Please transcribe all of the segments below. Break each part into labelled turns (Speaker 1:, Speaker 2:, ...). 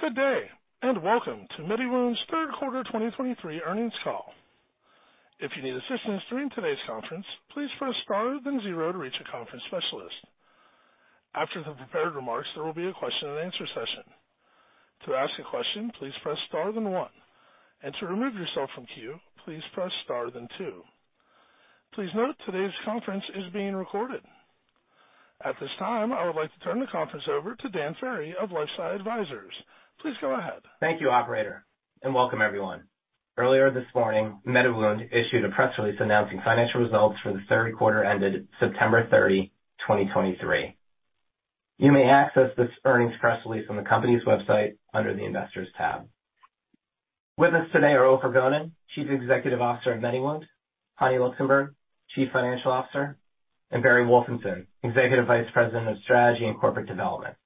Speaker 1: Good day, and welcome to MediWound's third quarter 2023 earnings call. If you need assistance during today's conference, please press star then zero to reach a conference specialist. After the prepared remarks, there will be a question and answer session. To ask a question, please press star then one, and to remove yourself from queue, please press star then two. Please note, today's conference is being recorded. At this time, I would like to turn the conference over to Dan Ferry of LifeSci Advisors. Please go ahead.
Speaker 2: Thank you, operator, and welcome everyone. Earlier this morning, MediWound issued a press release announcing financial results for the third quarter ended September 30, 2023. You may access this earnings press release on the company's website under the Investors tab. With us today are Ofer Gonen, Chief Executive Officer of MediWound, Hani Luxenburg, Chief Financial Officer, and Barry Wolfenson, Executive Vice President of Strategy and Corporate Development.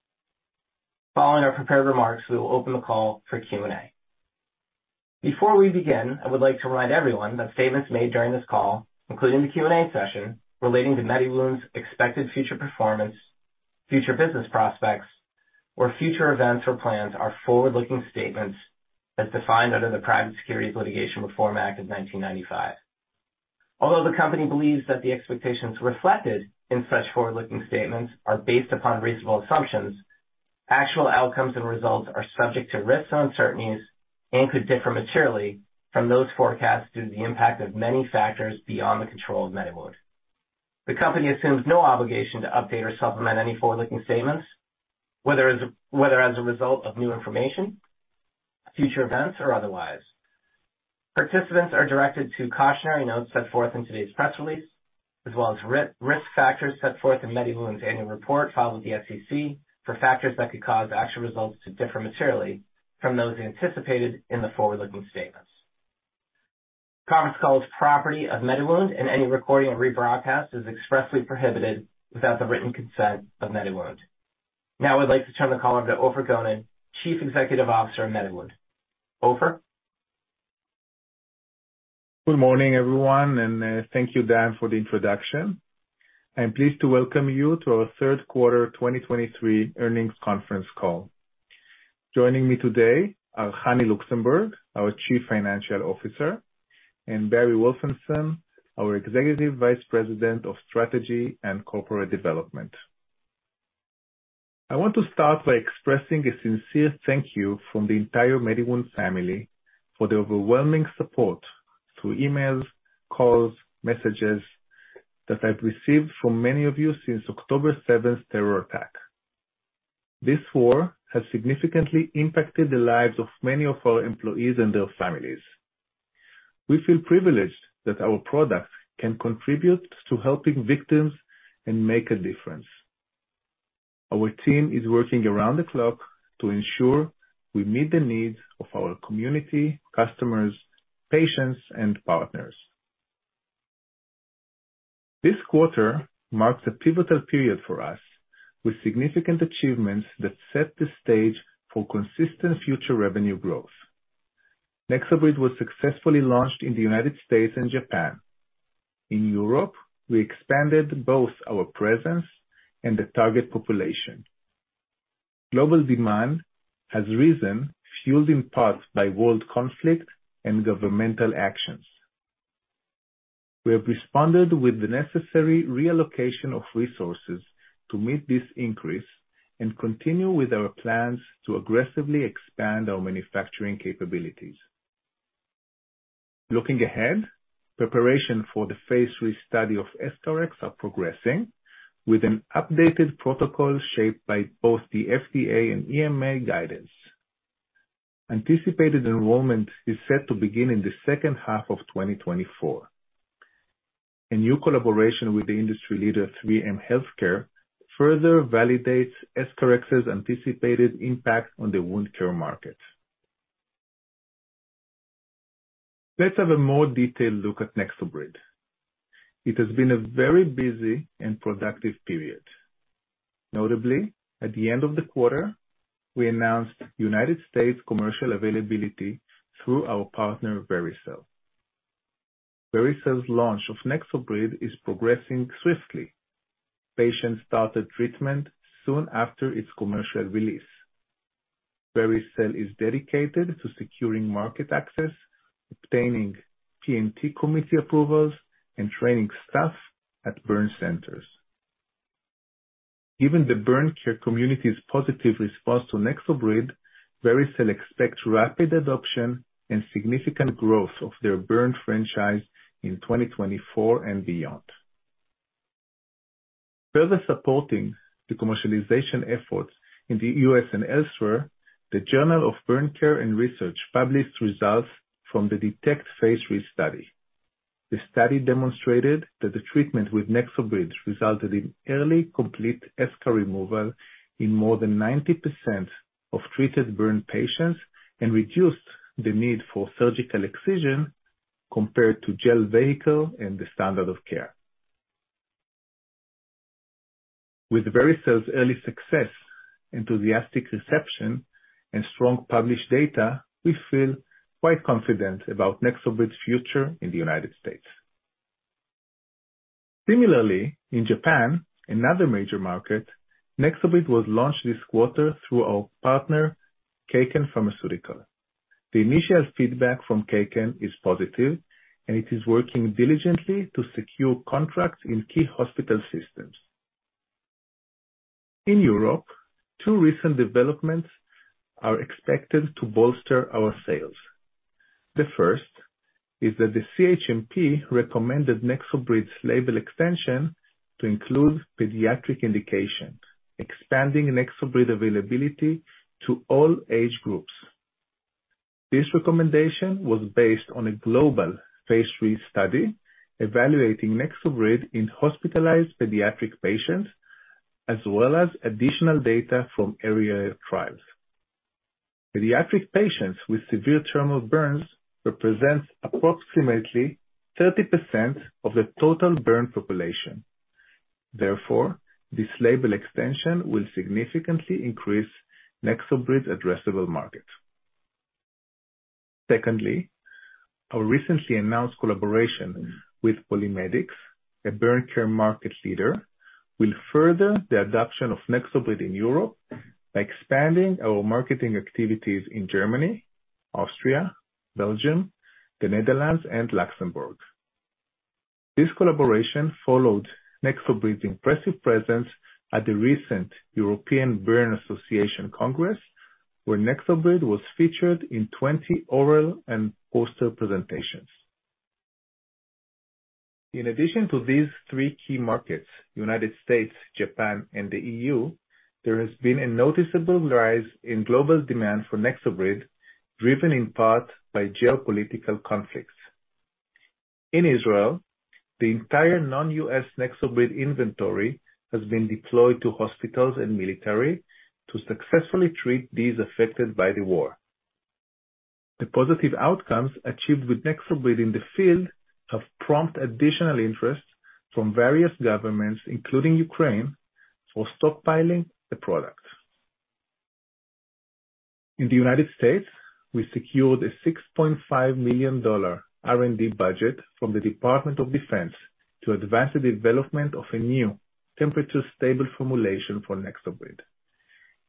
Speaker 2: Following our prepared remarks, we will open the call for Q&A. Before we begin, I would like to remind everyone that statements made during this call, including the Q&A session, relating to MediWound's expected future performance, future business prospects, or future events or plans, are forward-looking statements as defined under the Private Securities Litigation Reform Act of 1995. Although the company believes that the expectations reflected in such forward-looking statements are based upon reasonable assumptions, actual outcomes and results are subject to risks and uncertainties and could differ materially from those forecasts due to the impact of many factors beyond the control of MediWound. The company assumes no obligation to update or supplement any forward-looking statements, whether as a result of new information, future events, or otherwise. Participants are directed to cautionary notes set forth in today's press release, as well as risk factors set forth in MediWound's annual report, filed with the SEC for factors that could cause actual results to differ materially from those anticipated in the forward-looking statements. This conference call is property of MediWound, and any recording or rebroadcast is expressly prohibited without the written consent of MediWound. Now I'd like to turn the call over to Ofer Gonen, Chief Executive Officer of MediWound. Ofer?
Speaker 3: Good morning, everyone, and, thank you, Dan, for the introduction. I'm pleased to welcome you to our third quarter 2023 earnings conference call. Joining me today are Hani Luxenburg, our Chief Financial Officer, and Barry Wolfenson, our Executive Vice President of Strategy and Corporate Development. I want to start by expressing a sincere thank you from the entire MediWound family for the overwhelming support through emails, calls, messages that I've received from many of you since October seventh terror attack. This war has significantly impacted the lives of many of our employees and their families. We feel privileged that our products can contribute to helping victims and make a difference. Our team is working around the clock to ensure we meet the needs of our community, customers, patients, and partners. This quarter marks a pivotal period for us, with significant achievements that set the stage for consistent future revenue growth. NexoBrid was successfully launched in the United States and Japan. In Europe, we expanded both our presence and the target population. Global demand has risen, fueled in part by world conflict and governmental actions. We have responded with the necessary reallocation of resources to meet this increase and continue with our plans to aggressively expand our manufacturing capabilities. Looking ahead, preparation for the Phase III study of EscharEx are progressing with an updated protocol shaped by both the FDA and EMA guidance. Anticipated enrollment is set to begin in the second half of 2024. A new collaboration with the industry leader, 3M Healthcare, further validates EscharEx's anticipated impact on the wound care market. Let's have a more detailed look at NexoBrid. It has been a very busy and productive period. Notably, at the end of the quarter, we announced United States commercial availability through our partner, Vericel. Vericel's launch of NexoBrid is progressing swiftly. Patients started treatment soon after its commercial release. Vericel is dedicated to securing market access, obtaining P&T committee approvals, and training staff at burn centers. Given the burn care community's positive response to NexoBrid, Vericel expects rapid adoption and significant growth of their burn franchise in 2024 and beyond. Further supporting the commercialization efforts in the U.S. and elsewhere, the Journal of Burn Care & Research published results from the DETECT Phase III study. The study demonstrated that the treatment with NexoBrid resulted in early complete eschar removal in more than 90% of treated burn patients and reduced the need for surgical excision compared to gel vehicle and the standard of care. With Vericel's early success, enthusiastic reception, and strong published data, we feel quite confident about NexoBrid's future in the United States. Similarly, in Japan, another major market, NexoBrid was launched this quarter through our partner, Kaken Pharmaceutical. The initial feedback from Kaken is positive, and it is working diligently to secure contracts in key hospital systems. In Europe, two recent developments are expected to bolster our sales. The first is that the CHMP recommended NexoBrid's label extension to include pediatric indication, expanding NexoBrid availability to all age groups. This recommendation was based on a global Phase III study, evaluating NexoBrid in hospitalized pediatric patients, as well as additional data from area trials. Pediatric patients with severe thermal burns represents approximately 30% of the total burn population. Therefore, this label extension will significantly increase NexoBrid's addressable market. Secondly, our recently announced collaboration with PolyMedics, a burn care market leader, will further the adoption of NexoBrid in Europe by expanding our marketing activities in Germany, Austria, Belgium, the Netherlands, and Luxembourg. This collaboration followed NexoBrid's impressive presence at the recent European Burn Association Congress, where NexoBrid was featured in 20 oral and poster presentations. In addition to these three key markets, United States, Japan, and the EU, there has been a noticeable rise in global demand for NexoBrid, driven in part by geopolitical conflicts. In Israel, the entire non-U.S. NexoBrid inventory has been deployed to hospitals and military to successfully treat these affected by the war. The positive outcomes achieved with NexoBrid in the field have prompted additional interest from various governments, including Ukraine, for stockpiling the product. In the United States, we secured a $6.5 million R&D budget from the Department of Defense to advance the development of a new temperature-stable formulation for NexoBrid.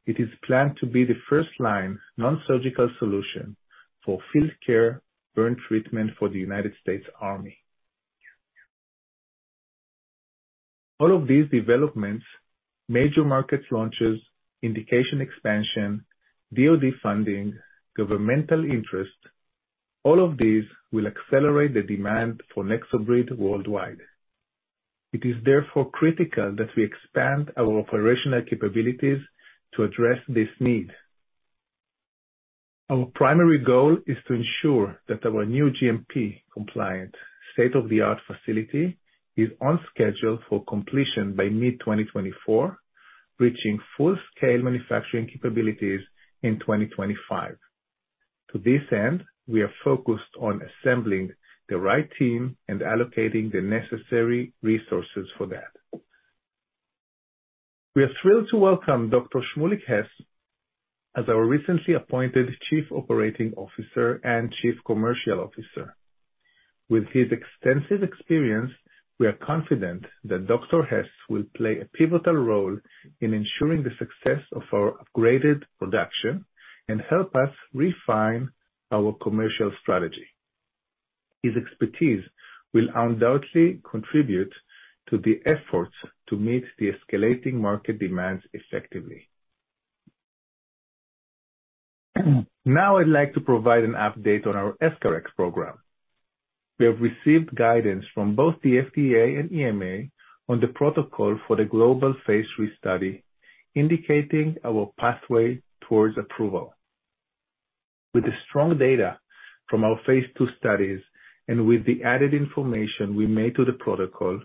Speaker 3: It is planned to be the first-line non-surgical solution for field care burn treatment for the United States Army. All of these developments, major market launches, indication expansion, DOD funding, governmental interest, all of these will accelerate the demand for NexoBrid worldwide. It is therefore critical that we expand our operational capabilities to address this need. Our primary goal is to ensure that our new GMP-compliant, state-of-the-art facility is on schedule for completion by mid-2024, reaching full-scale manufacturing capabilities in 2025. To this end, we are focused on assembling the right team and allocating the necessary resources for that. We are thrilled to welcome Dr. Shmulik Hess as our recently appointed Chief Operating Officer and Chief Commercial Officer. With his extensive experience, we are confident that Dr. Hess will play a pivotal role in ensuring the success of our upgraded production and help us refine our commercial strategy. His expertise will undoubtedly contribute to the efforts to meet the escalating market demands effectively. Now, I'd like to provide an update on our EscharEx program. We have received guidance from both the FDA and EMA on the protocol for the global Phase III study, indicating our pathway towards approval. With the strong data from our Phase II studies, and with the added information we made to the protocol,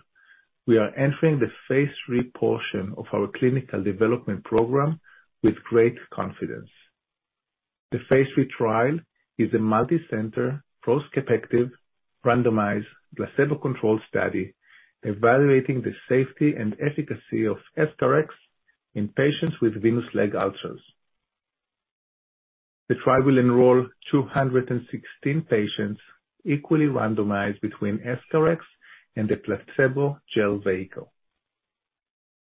Speaker 3: we are entering the Phase III portion of our clinical development program with great confidence. The Phase III trial is a multicenter, prospective, randomized, placebo-controlled study evaluating the safety and efficacy of EscharEx in patients with venous leg ulcers. The trial will enroll 216 patients, equally randomized between EscharEx and a placebo gel vehicle.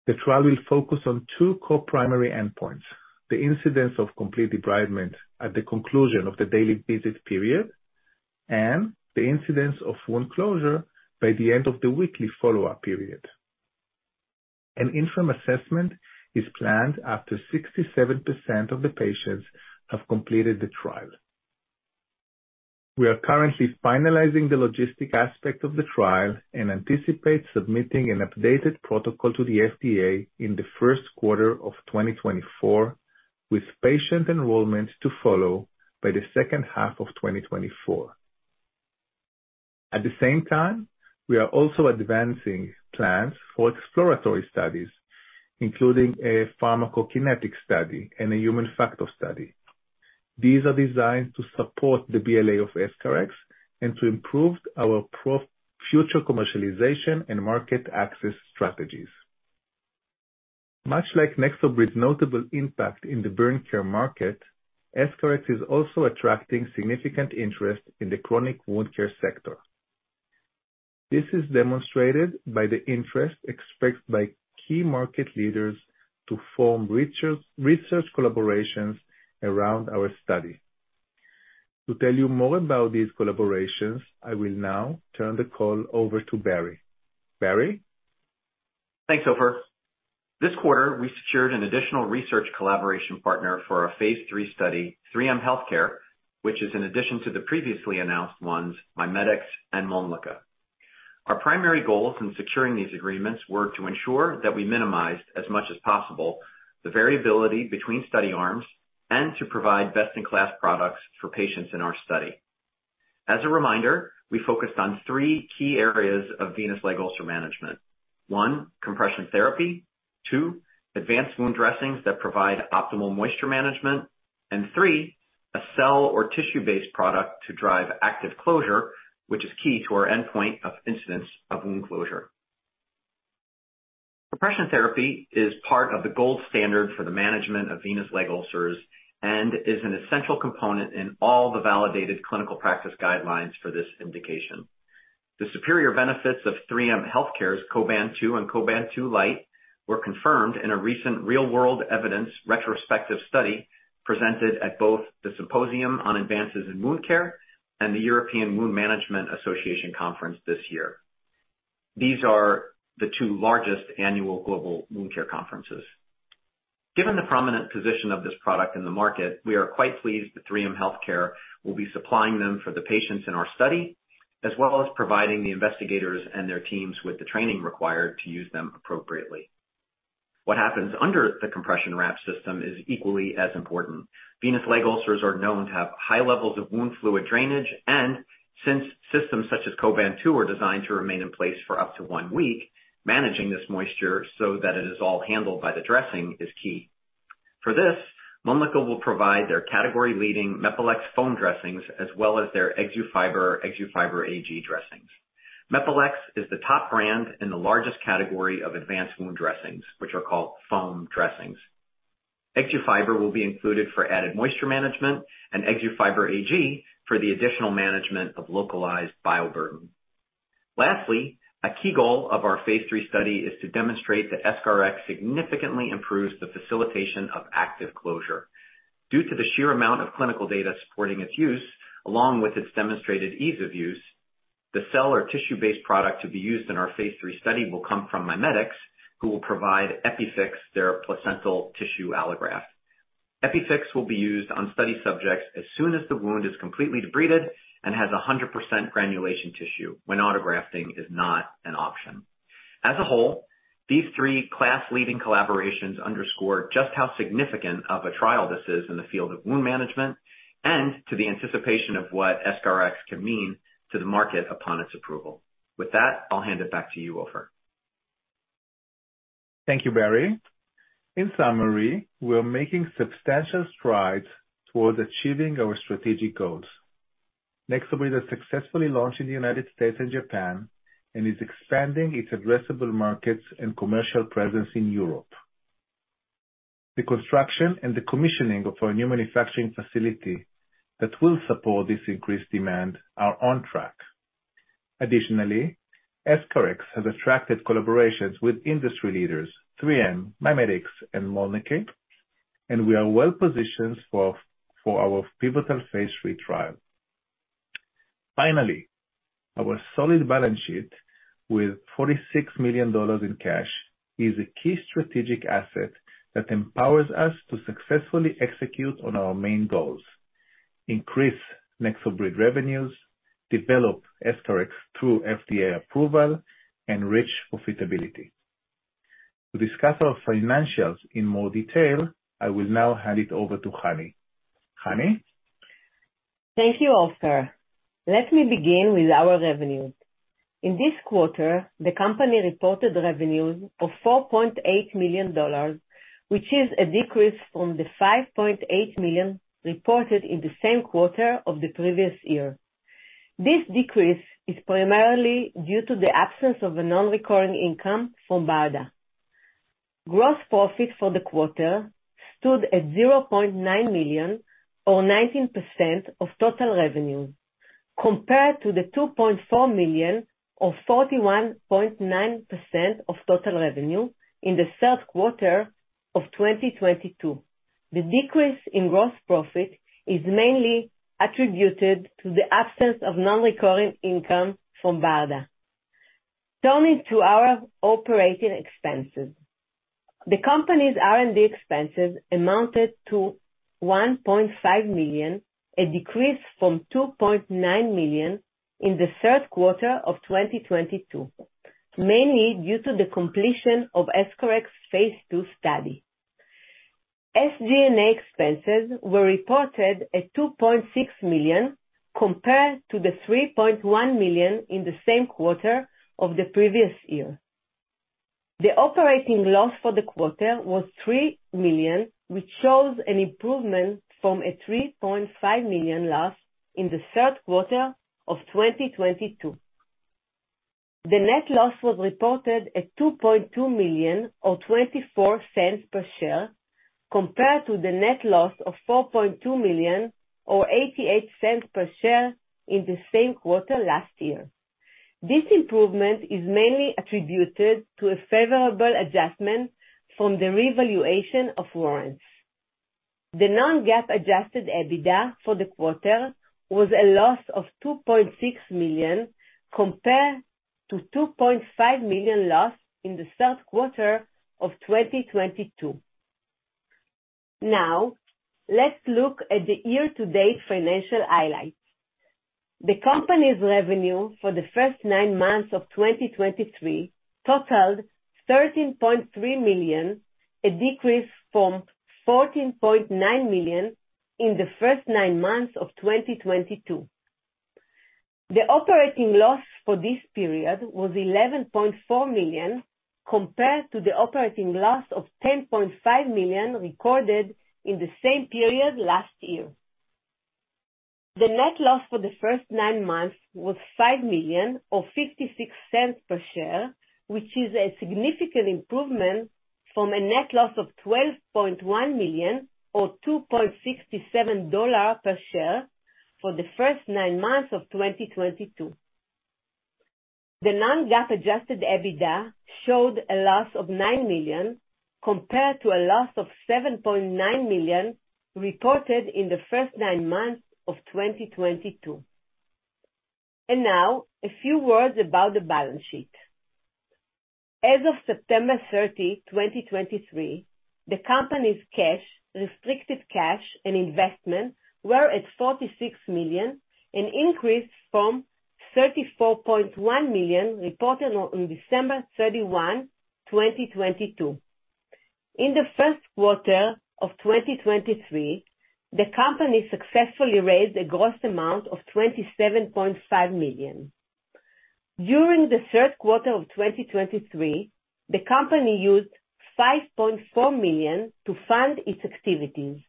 Speaker 3: The trial will focus on two core primary endpoints: the incidence of complete debridement at the conclusion of the daily visit period, and the incidence of wound closure by the end of the weekly follow-up period. An interim assessment is planned after 67% of the patients have completed the trial. We are currently finalizing the logistic aspect of the trial and anticipate submitting an updated protocol to the FDA in the first quarter of 2024, with patient enrollment to follow by the second half of 2024. At the same time, we are also advancing plans for exploratory studies, including a pharmacokinetic study and a human factor study. These are designed to support the BLA of EscharEx and to improve our future commercialization and market access strategies.... Much like NexoBrid's notable impact in the burn care market, EscharEx is also attracting significant interest in the chronic wound care sector. This is demonstrated by the interest expressed by key market leaders to form research collaborations around our study. To tell you more about these collaborations, I will now turn the call over to Barry. Barry?
Speaker 4: Thanks, Ofer. This quarter, we secured an additional research collaboration partner for our Phase III study, 3M Healthcare, which is in addition to the previously announced ones, MiMedx and Mölnlycke. Our primary goals in securing these agreements were to ensure that we minimized, as much as possible, the variability between study arms and to provide best-in-class products for patients in our study. As a reminder, we focused on three key areas of venous leg ulcer management. One, compression therapy. Two, advanced wound dressings that provide optimal moisture management. And three, a cell or tissue-based product to drive active closure, which is key to our endpoint of incidence of wound closure. Compression therapy is part of the gold standard for the management of venous leg ulcers and is an essential component in all the validated clinical practice guidelines for this indication. The superior benefits of 3M Healthcare's Coban 2 and Coban 2 Lite were confirmed in a recent real-world evidence retrospective study, presented at both the Symposium on Advanced Wound Care and the European Wound Management Association conference this year. These are the two largest annual global wound care conferences. Given the prominent position of this product in the market, we are quite pleased that 3M Healthcare will be supplying them for the patients in our study, as well as providing the investigators and their teams with the training required to use them appropriately. What happens under the compression wrap system is equally as important. Venous leg ulcers are known to have high levels of wound fluid drainage, and since systems such as Coban 2 are designed to remain in place for up to one week, managing this moisture so that it is all handled by the dressing, is key. For this, Mölnlycke will provide their category-leading Mepilex foam dressings, as well as their Exufiber, Exufiber Ag dressings. Mepilex is the top brand in the largest category of advanced wound dressings, which are called foam dressings. Exufiber will be included for added moisture management and Exufiber Ag for the additional management of localized bioburden. Lastly, a key goal of our Phase III study is to demonstrate that EscharEx significantly improves the facilitation of active closure. Due to the sheer amount of clinical data supporting its use, along with its demonstrated ease of use, the cell or tissue-based product to be used in our Phase III study will come from MiMedx, who will provide EpiFix, their placental tissue allograft. EpiFix will be used on study subjects as soon as the wound is completely debrided and has 100% granulation tissue, when autografting is not an option. As a whole, these three class-leading collaborations underscore just how significant of a trial this is in the field of wound management, and to the anticipation of what EscharEx can mean to the market upon its approval. With that, I'll hand it back to you, Ofer.
Speaker 3: Thank you, Barry. In summary, we are making substantial strides towards achieving our strategic goals. NexoBrid has successfully launched in the United States and Japan, and is expanding its addressable markets and commercial presence in Europe. The construction and the commissioning of our new manufacturing facility that will support this increased demand are on track. Additionally, EscharEx has attracted collaborations with industry leaders, 3M, MiMedx, and Mölnlycke, and we are well-positioned for our pivotal Phase III trial. Finally, our solid balance sheet with $46 million in cash is a key strategic asset that empowers us to successfully execute on our main goals, increase NexoBrid revenues, develop EscharEx through FDA approval, and reach profitability. To discuss our financials in more detail, I will now hand it over to Hani. Hani?
Speaker 5: Thank you, Ofer. Let me begin with our revenues. In this quarter, the company reported revenues of $4.8 million, which is a decrease from the $5.8 million reported in the same quarter of the previous year. This decrease is primarily due to the absence of a non-recurring income from BARDA. Gross profit for the quarter stood at $0.9 million or 19% of total revenue, compared to the $2.4 million or 41.9% of total revenue in the third quarter of 2022. The decrease in gross profit is mainly attributed to the absence of non-recurring income from BARDA. Turning to our operating expenses. The company's R&D expenses amounted to $1.5 million, a decrease from $2.9 million in the third quarter of 2022, mainly due to the completion of EscharEx Phase II study. SG&A expenses were reported at $2.6 million, compared to the $3.1 million in the same quarter of the previous year. The operating loss for the quarter was $3 million, which shows an improvement from a $3.5 million loss in the third quarter of 2022. The net loss was reported at $2.2 million, or $0.24 per share, compared to the net loss of $4.2 million, or $0.88 per share in the same quarter last year. This improvement is mainly attributed to a favorable adjustment from the revaluation of warrants. The non-GAAP adjusted EBITDA for the quarter was a loss of $2.6 million, compared to $2.5 million loss in the third quarter of 2022. Now, let's look at the year-to-date financial highlights. The company's revenue for the first nine months of 2023 totaled $13.3 million, a decrease from $14.9 million in the first nine months of 2022. The operating loss for this period was $11.4 million, compared to the operating loss of $10.5 million recorded in the same period last year. The net loss for the first nine months was $5 million or $0.56 per share, which is a significant improvement from a net loss of $12.1 million or $2.67 per share for the first nine months of 2022. The non-GAAP adjusted EBITDA showed a loss of $9 million, compared to a loss of $7.9 million reported in the first nine months of 2022. And now, a few words about the balance sheet. As of September 30, 2023, the company's cash, restricted cash and investment were at $46 million, an increase from $34.1 million, reported on December 31, 2022. In the first quarter of 2023, the company successfully raised a gross amount of $27.5 million. During the third quarter of 2023, the company used $5.4 million to fund its activities.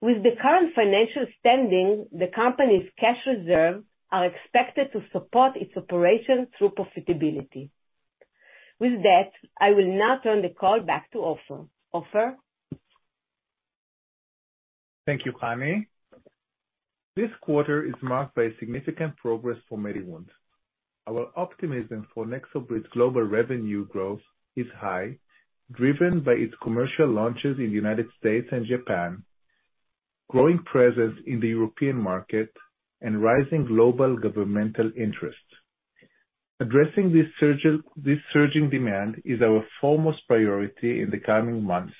Speaker 5: With the current financial standing, the company's cash reserve are expected to support its operation through profitability. With that, I will now turn the call back to Ofer. Ofer?
Speaker 3: Thank you, Hani. This quarter is marked by significant progress for MediWound. Our optimism for NexoBrid global revenue growth is high, driven by its commercial launches in the United States and Japan, growing presence in the European market, and rising global governmental interest. Addressing this surging demand is our foremost priority in the coming months.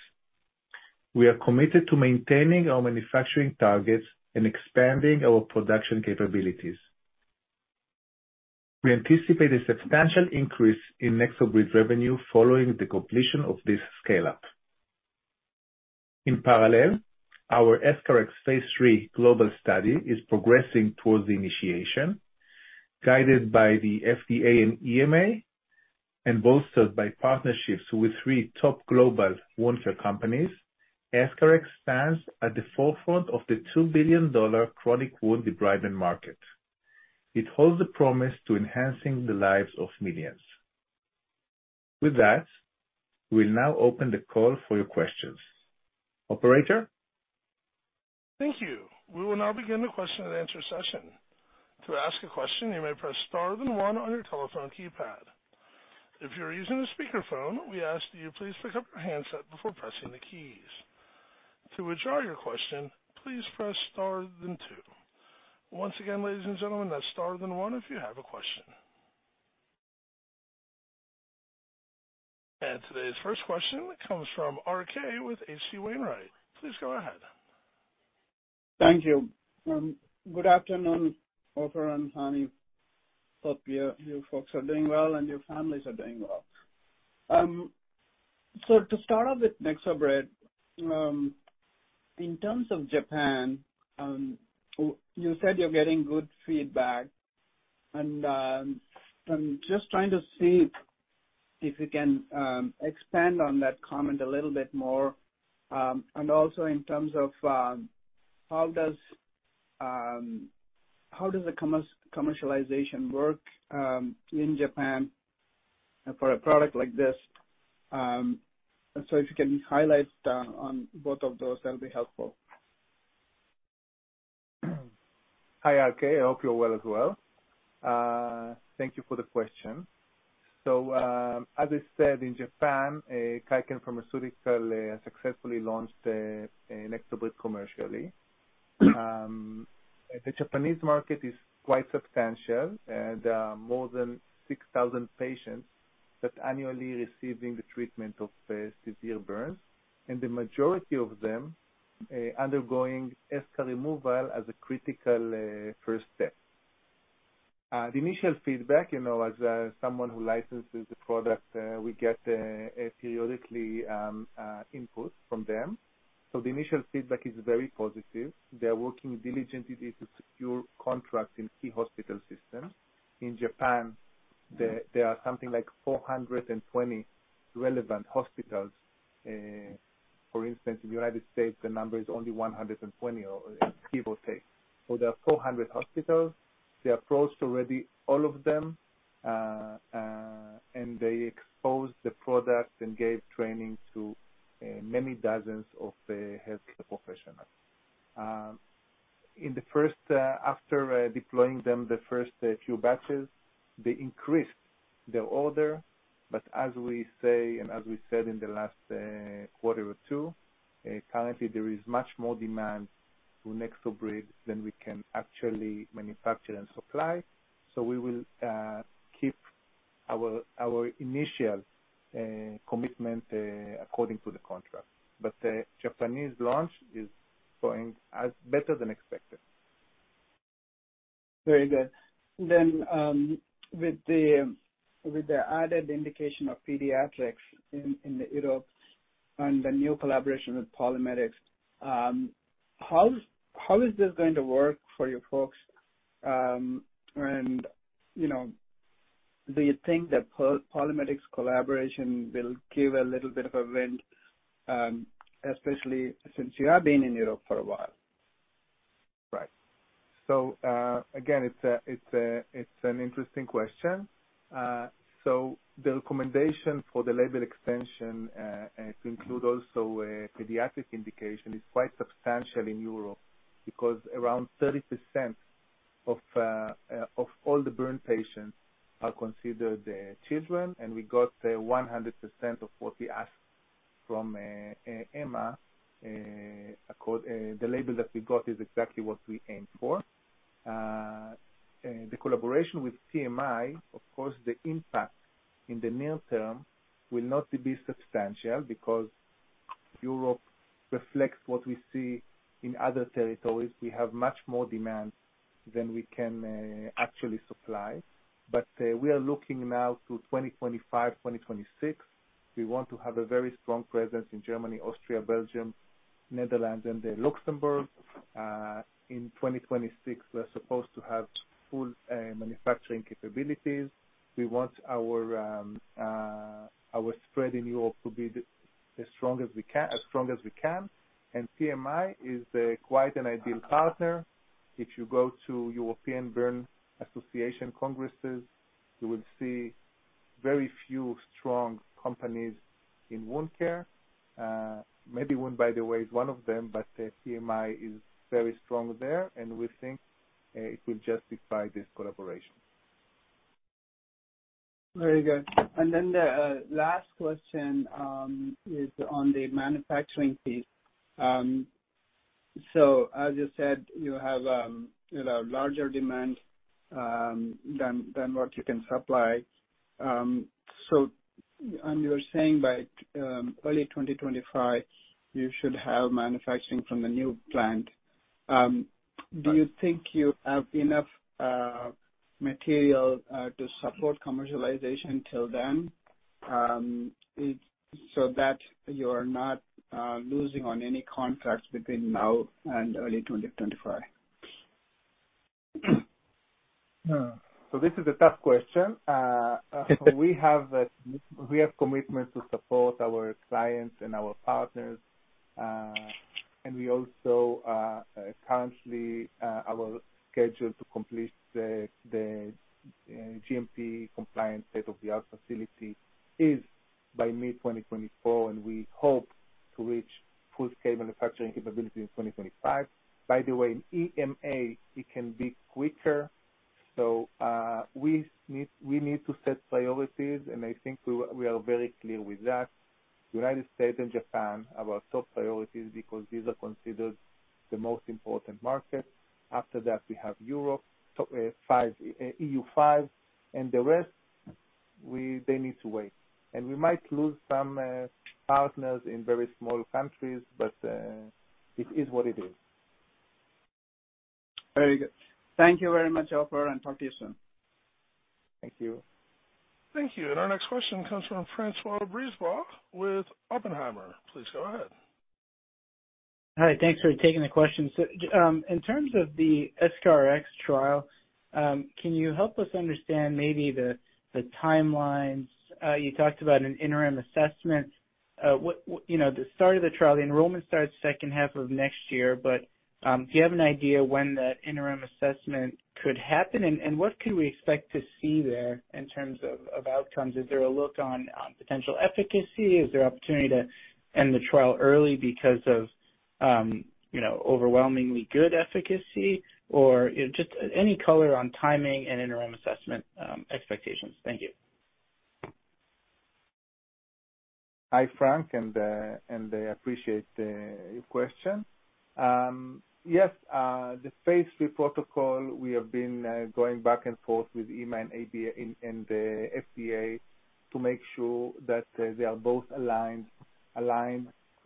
Speaker 3: We are committed to maintaining our manufacturing targets and expanding our production capabilities. We anticipate a substantial increase in NexoBrid revenue following the completion of this scale-up. In parallel, our EscharEx Phase III global study is progressing towards the initiation, guided by the FDA and EMA, and bolstered by partnerships with three top global wound care companies. EscharEx stands at the forefront of the $2 billion chronic wound debridement market. It holds the promise to enhancing the lives of millions. With that, we'll now open the call for your questions. Operator?
Speaker 1: Thank you. We will now begin the question and answer session. To ask a question, you may press star then one on your telephone keypad. If you're using a speakerphone, we ask that you please pick up your handset before pressing the keys. To withdraw your question, please press star then two. Once again, ladies and gentlemen, that's star then one if you have a question. Today's first question comes from RK with H.C. Wainwright. Please go ahead.
Speaker 6: Thank you. Good afternoon, Ofer and Hani. Hope you folks are doing well and your families are doing well. So to start off with NexoBrid, in terms of Japan, you said you're getting good feedback. I'm just trying to see if you can expand on that comment a little bit more. And also in terms of how does the commercialization work in Japan for a product like this? So if you can highlight on both of those, that'll be helpful.
Speaker 3: Hi, RK. I hope you're well as well. Thank you for the question. So, as I said, in Japan, Kaken Pharmaceutical successfully launched NexoBrid commercially. The Japanese market is quite substantial, and more than 6,000 patients that annually receiving the treatment of severe burns, and the majority of them undergoing eschar removal as a critical first step. The initial feedback, you know, as someone who licenses the product, we get periodically input from them. So the initial feedback is very positive. They're working diligently to secure contracts in key hospital systems. In Japan, there are something like 420 relevant hospitals. For instance, in the United States, the number is only 120 or give or take. So there are 400 hospitals. They approached already all of them, and they exposed the product and gave training to many dozens of healthcare professionals. In the first after deploying them, the first few batches, they increased their order. But as we say, and as we said in the last quarter or two, currently there is much more demand to NexoBrid than we can actually manufacture and supply. So we will keep our initial commitment according to the contract. But the Japanese launch is going as better than expected.
Speaker 6: Very good. Then, with the added indication of pediatrics in Europe and the new collaboration with PolyMedics, how is this going to work for your folks? And, you know, do you think that PolyMedics collaboration will give a little bit of a vent, especially since you have been in Europe for a while?
Speaker 3: Right. So, again, it's an interesting question. So the recommendation for the label extension and to include also a pediatric indication is quite substantial in Europe, because around 30% of all the burn patients are considered children, and we got 100% of what we asked from EMA. The label that we got is exactly what we aimed for. The collaboration with PMI, of course, the impact in the near term will not be substantial because Europe reflects what we see in other territories. We have much more demand than we can actually supply. But we are looking now to 2025, 2026. We want to have a very strong presence in Germany, Austria, Belgium, Netherlands, and then Luxembourg. In 2026, we're supposed to have full manufacturing capabilities. We want our spread in Europe to be as strong as we can, as strong as we can, and PMI is quite an ideal partner. If you go to European Burn Association Congresses, you will see very few strong companies in wound care. Maybe Wound by the Way is one of them, but PMI is very strong there, and we think it will justify this collaboration.
Speaker 6: Very good. And then the last question is on the manufacturing piece. So as you said, you have, you know, larger demand than what you can supply. So and you're saying by early 2025, you should have manufacturing from the new plant.
Speaker 3: Right.
Speaker 6: -Do you think you have enough material to support commercialization till then, so that you're not losing on any contracts between now and early 2025?
Speaker 3: This is a tough question. We have commitment to support our clients and our partners. And we also currently our schedule to complete the GMP compliance state-of-the-art facility is by mid-2024, and we hope to reach full-scale manufacturing capability in 2025. By the way, in EMA, it can be quicker. We need to set priorities, and I think we are very clear with that. United States and Japan are our top priorities because these are considered the most important markets. After that, we have Europe, top five, EU five, and the rest, they need to wait. And we might lose some partners in very small countries, but it is what it is.
Speaker 6: Very good. Thank you very much, Ofer, and talk to you soon.
Speaker 3: Thank you.
Speaker 1: Thank you. Our next question comes from François Brisebois with Oppenheimer. Please go ahead.
Speaker 7: Hi, thanks for taking the question. So, in terms of the EscharEx trial, can you help us understand maybe the, the timelines? You talked about an interim assessment. What... You know, the start of the trial, the enrollment starts second half of next year, but, do you have an idea when that interim assessment could happen? And what can we expect to see there in terms of outcomes? Is there a look on potential efficacy? Is there opportunity to end the trial early because of, you know, overwhelmingly good efficacy? Or just any color on timing and interim assessment expectations. Thank you.
Speaker 3: Hi, Frank, and I appreciate your question. Yes, the Phase III protocol, we have been going back and forth with EMA and the FDA to make sure that they are both aligned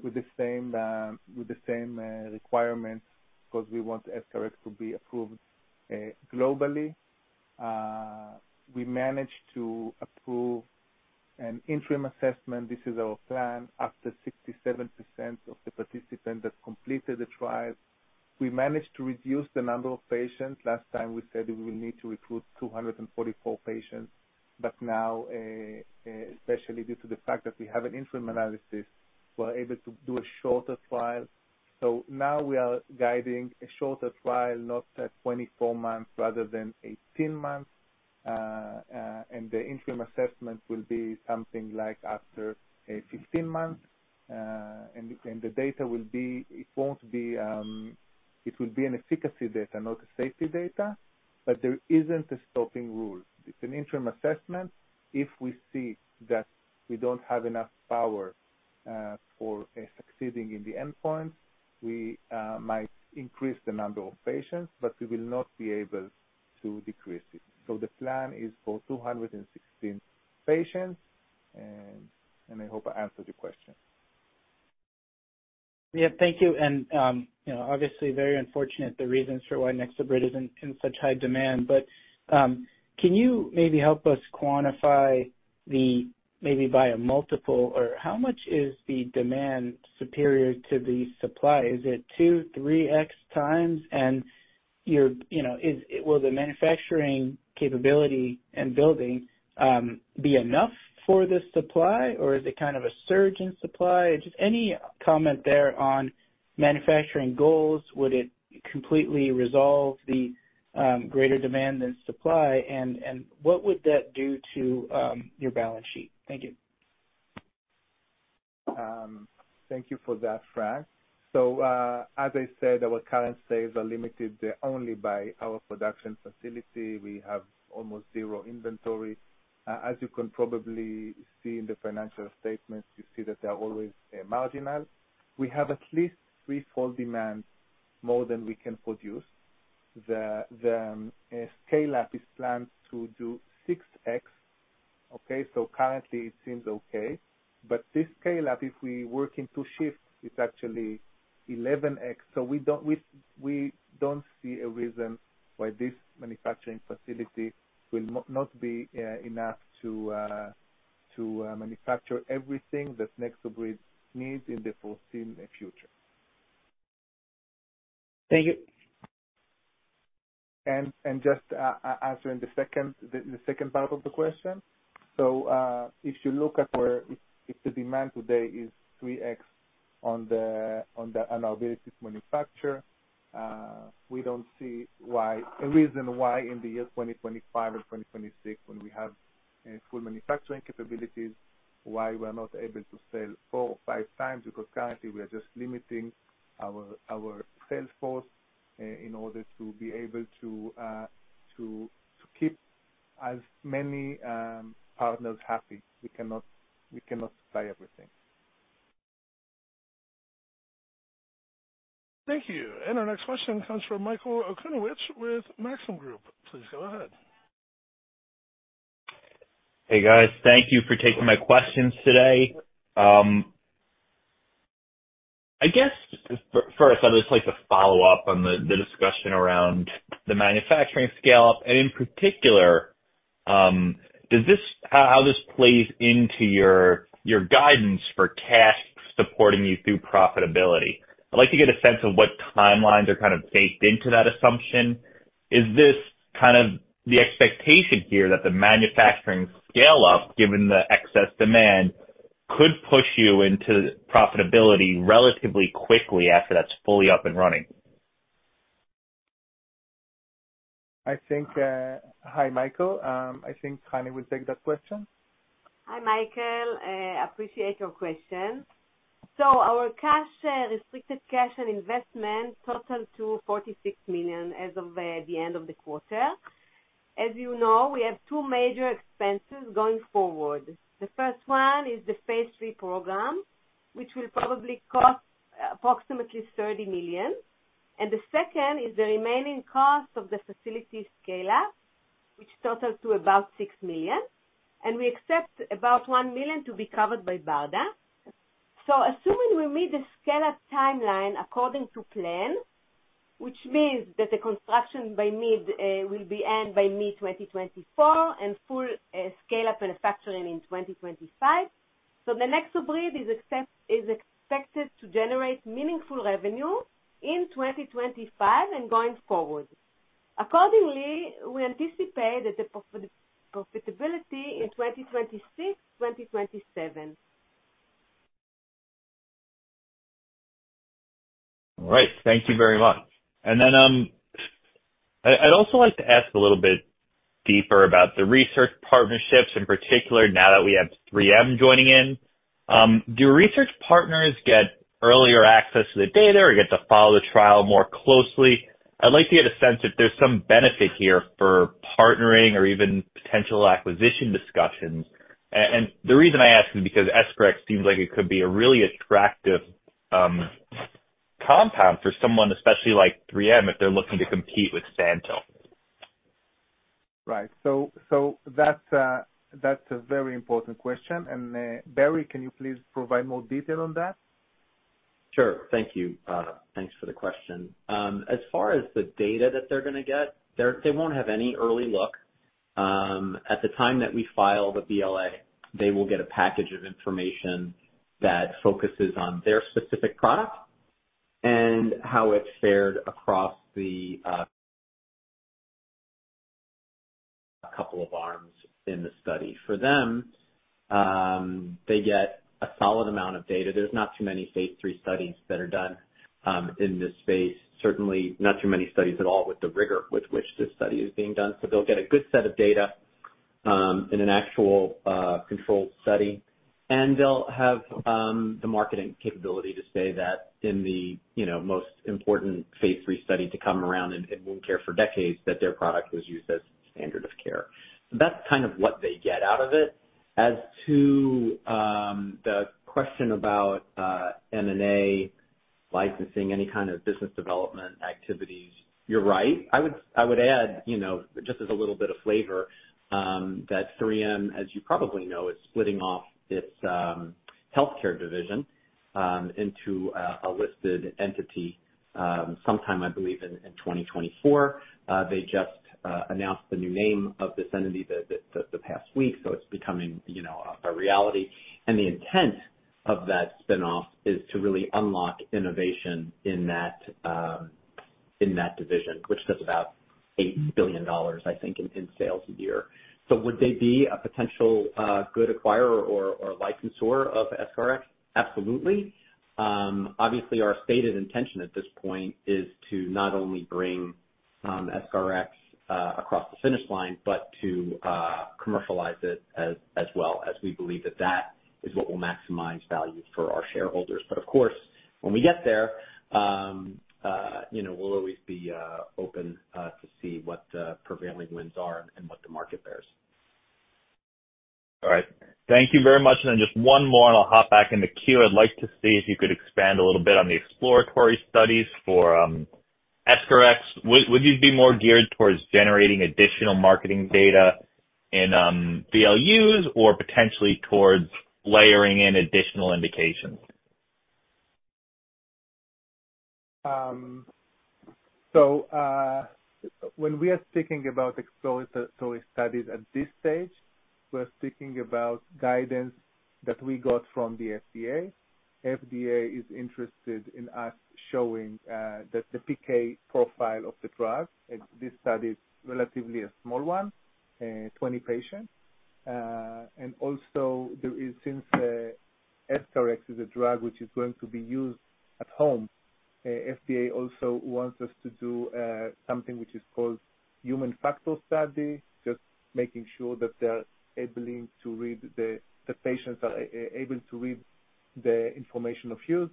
Speaker 3: with the same requirements, because we want EscharEx to be approved globally. We managed to approve an interim assessment. This is our plan. After 67% of the participants that completed the trial, we managed to reduce the number of patients. Last time, we said we will need to recruit 244 patients, but now, especially due to the fact that we have an interim analysis, we're able to do a shorter trial. So now we are guiding a shorter trial, not at 24 months rather than 18 months. And the interim assessment will be something like after 15 months. And the data will be—it won't be, it will be an efficacy data, not a safety data, but there isn't a stopping rule. It's an interim assessment. If we see that we don't have enough power for succeeding in the endpoint, we might increase the number of patients, but we will not be able to decrease it. So the plan is for 216 patients, and I hope I answered your question.
Speaker 7: Yeah, thank you. You know, obviously very unfortunate, the reasons for why NexoBrid is in, in such high demand. But, can you maybe help us quantify the, maybe by a multiple, or how much is the demand superior to the supply? Is it 2x-3x times? And you know, will the manufacturing capability and building be enough for this supply, or is it kind of a surge in supply? Just any comment there on manufacturing goals, would it completely resolve the greater demand than supply? And what would that do to your balance sheet? Thank you.
Speaker 3: Thank you for that, Frank. So, as I said, our current sales are limited only by our production facility. We have almost zero inventory. As you can probably see in the financial statements, you see that they are always marginal. We have at least threefold demand, more than we can produce. The scale-up is planned to do 6x. Okay, so currently it seems okay, but this scale-up, if we work in two shifts, is actually 11x. So we don't see a reason why this manufacturing facility will not be enough to manufacture everything that NexoBrid needs in the foreseen future.
Speaker 7: Thank you.
Speaker 3: And just answering the second part of the question. So, if you look at where, if the demand today is 3x on the, on the, on our ability to manufacture, we don't see why a reason why in the year 2025 and 2026, when we have full manufacturing capabilities, why we're not able to sell four or five times, because currently we are just limiting our sales force, in order to be able to, to keep as many partners happy. We cannot supply everything.
Speaker 1: Thank you. Our next question comes from Michael Okunewitch with Maxim Group. Please go ahead.
Speaker 8: Hey, guys. Thank you for taking my questions today. I guess, first, I'd just like to follow up on the discussion around the manufacturing scale-up, and in particular, how this plays into your guidance for cash supporting you through profitability. I'd like to get a sense of what timelines are kind of baked into that assumption. Is this kind of the expectation here, that the manufacturing scale-up, given the excess demand, could push you into profitability relatively quickly after that's fully up and running?
Speaker 3: Hi, Michael. I think Hani will take that question.
Speaker 5: Hi, Michael. Appreciate your question. So our cash, restricted cash and investment total to $46 million as of the end of the quarter. As you know, we have two major expenses going forward. The first one is the Phase III program, which will probably cost approximately $30 million, and the second is the remaining cost of the facility scale-up, which totals to about $6 million, and we expect about $1 million to be covered by BARDA. So assuming we meet the scale-up timeline according to plan, which means that the construction will end by mid-2024, and full scale-up manufacturing in 2025. So the NexoBrid is expected to generate meaningful revenue in 2025 and going forward. Accordingly, we anticipate that the profitability in 2026, 2027.
Speaker 8: All right. Thank you very much. And then, I, I'd also like to ask a little bit deeper about the research partnerships, in particular, now that we have 3M joining in. Do research partners get earlier access to the data or get to follow the trial more closely? I'd like to get a sense if there's some benefit here for partnering or even potential acquisition discussions. And the reason I ask is because EscharEx seems like it could be a really attractive compound for someone, especially like 3M, if they're looking to compete with Sandoz.
Speaker 3: Right. So that's a very important question. And, Barry, can you please provide more detail on that?
Speaker 4: Sure. Thank you. Thanks for the question. As far as the data that they're gonna get, they won't have any early look.... At the time that we file the BLA, they will get a package of information that focuses on their specific product and how it fared across the couple of arms in the study. For them, they get a solid amount of data. There's not too many Phase III studies that are done in this space. Certainly not too many studies at all with the rigor with which this study is being done. So they'll get a good set of data in an actual controlled study, and they'll have the marketing capability to say that in the, you know, most important Phase III study to come around in wound care for decades, that their product was used as standard of care. That's kind of what they get out of it. As to the question about M&A licensing, any kind of business development activities, you're right. I would add, you know, just as a little bit of flavor, that 3M, as you probably know, is splitting off its healthcare division into a listed entity sometime, I believe, in 2024. They just announced the new name of this entity the past week, so it's becoming, you know, a reality. And the intent of that spinoff is to really unlock innovation in that division, which does about $8 billion, I think, in sales a year. So would they be a potential good acquirer or licensor of EscharEx? Absolutely. Obviously, our stated intention at this point is to not only bring EscharEx across the finish line, but to commercialize it as well, as we believe that that is what will maximize value for our shareholders. But of course, when we get there, you know, we'll always be open to see what the prevailing winds are and what the market bears.
Speaker 8: All right. Thank you very much. And then just one more, and I'll hop back in the queue. I'd like to see if you could expand a little bit on the exploratory studies for EscharEx. Would you be more geared towards generating additional marketing data in VLUs, or potentially towards layering in additional indications?
Speaker 3: When we are speaking about exploratory studies at this stage, we're speaking about guidance that we got from the FDA. FDA is interested in us showing that the PK profile of the drug, this study is relatively a small one, 20 patients. And also, since EscharEx is a drug which is going to be used at home, FDA also wants us to do something which is called human factor study. Just making sure that the patients are able to read the information of use.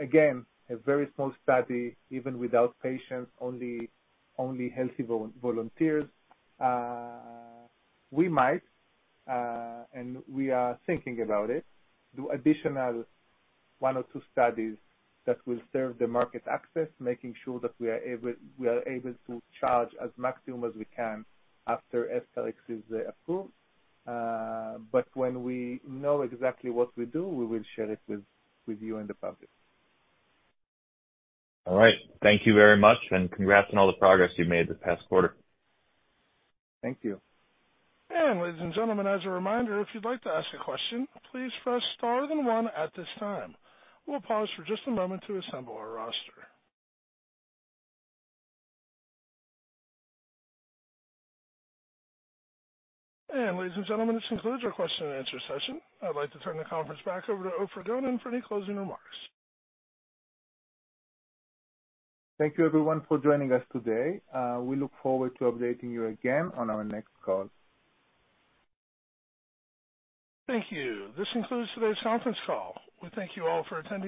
Speaker 3: Again, a very small study, even without patients, only healthy volunteers. We might, and we are thinking about it, do additional one or two studies that will serve the market access, making sure that we are able, we are able to charge as maximum as we can after EscharEx is approved. But when we know exactly what we do, we will share it with, with you and the public.
Speaker 8: All right. Thank you very much, and congrats on all the progress you've made this past quarter.
Speaker 3: Thank you.
Speaker 1: Ladies and gentlemen, as a reminder, if you'd like to ask a question, please press star then one at this time. We'll pause for just a moment to assemble our roster. Ladies and gentlemen, this concludes our question and answer session. I'd like to turn the conference back over to Ofer Gonen for any closing remarks.
Speaker 3: Thank you, everyone, for joining us today. We look forward to updating you again on our next call.
Speaker 1: Thank you. This concludes today's conference call. We thank you all for attending.